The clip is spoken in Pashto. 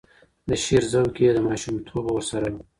د شعر ذوق یې له ماشومتوبه ورسره و.